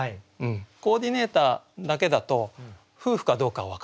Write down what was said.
「コーディネーター」だけだと夫婦かどうか分からない。